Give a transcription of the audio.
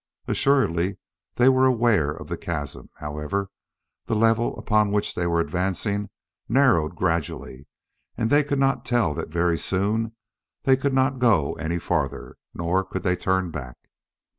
Assuredly they were aware of the chasm; however, the level upon which they were advancing narrowed gradually, and they could not tell that very soon they could not go any farther nor could they turn back.